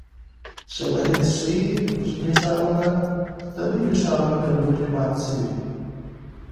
شواهد ښيي کوچني ښارونه د لویو ښارونو له لوري مات شوي